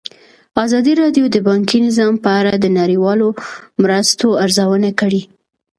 ازادي راډیو د بانکي نظام په اړه د نړیوالو مرستو ارزونه کړې.